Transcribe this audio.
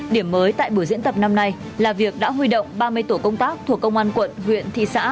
điểm mới tại buổi diễn tập năm nay là việc đã huy động ba mươi tổ công tác thuộc công an quận huyện thị xã